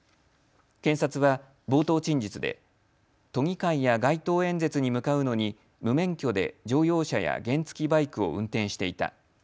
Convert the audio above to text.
検察は冒頭陳述で都議会や街頭演説に向かうのに無免許で乗用車や原付バイクを運転していた。